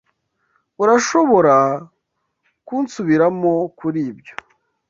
Urashobora kunsubiramo kuri ibyo.